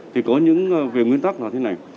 thì có những về nguyên tắc là thế này